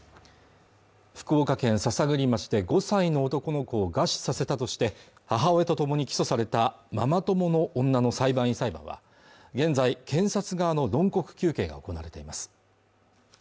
福岡県篠栗町で５歳の男の子を餓死させたとして母親と共に起訴されたママ友の女の裁判員裁判は現在検察側の論告求刑が行われています